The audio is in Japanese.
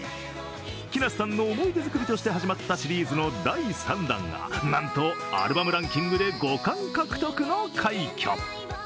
木梨さんの思い出作りとして始まったシリーズの第３弾が、なんとアルバムランキングで５冠獲得の快挙。